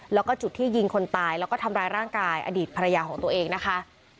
แล้วก็จุดที่ยิงคนตายแล้วก็ทำร้ายร่างกายอดีตภรรยาของตัวเองนะคะ